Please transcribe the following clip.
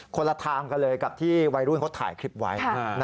คนละทางกันเลยกับที่วัยรุ่นเขาถ่ายคลิปไว้